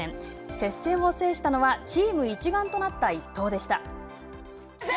接戦を制したのはチーム一丸となった一投でした。